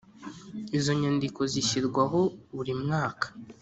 Izo nyandiko zishyirwaho burimwaka.